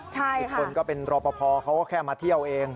อีกคนก็เป็นรอปภเขาก็แค่มาเที่ยวเอง